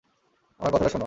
আমার কথাটা শোন।